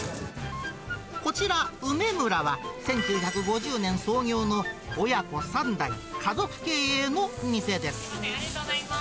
こちら、梅むらは１９５０年創業の親子３代家族経営の店です。